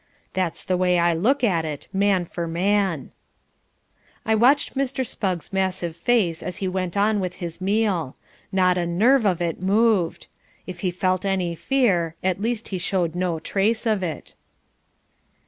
That's the way I look at it, man for man." I watched Mr. Spugg's massive face as he went on with his meal. Not a nerve of it moved. If he felt any fear, at least he showed no trace of it.